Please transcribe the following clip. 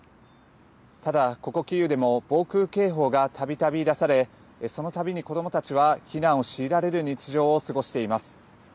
ただ、ここキーウでも防空警報がたびたび出されそのたびに子どもたちは避難を強いられる日常を過ごしています。